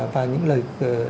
và những lời